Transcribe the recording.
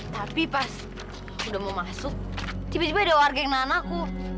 tapi pas udah mau masuk tiba tiba ada warga yang nanaku